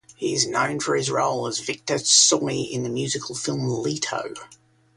He is known for his role as Viktor Tsoi in the musical film "Leto".